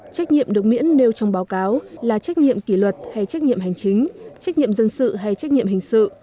trách nhiệm được miễn nêu trong báo cáo là trách nhiệm kỷ luật hay trách nhiệm hành chính trách nhiệm dân sự hay trách nhiệm hình sự